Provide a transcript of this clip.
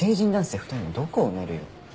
２人もどこ埋めるよ？